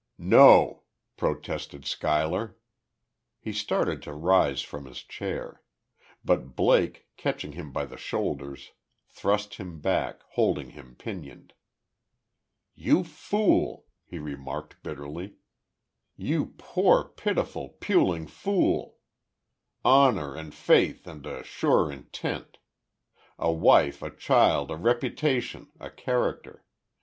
"No!" protested Schuyler. He started to rise from his chair. But Blake, catching him by the shoulders, thrust him back, holding him pinioned. "You fool," he remarked, bitterly. "You poor, pitiful, puling fool! 'Honor, and faith, and a sure intent' a wife, a child, a reputation, a character.